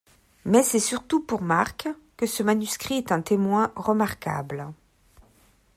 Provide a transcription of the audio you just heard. Mais c'est surtout pour Marc que ce manuscrit est un témoin remarquable.